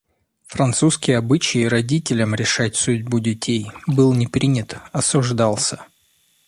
Французский обычай — родителям решать судьбу детей — был не принят, осуждался.